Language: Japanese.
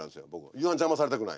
夕飯を邪魔されたくない。